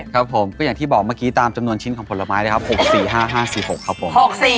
ครับผมก็อย่างที่บอกเมื่อกี้ตามจำนวนชิ้นของผลไม้นะครับ๖๔๕๕๔๖ครับผม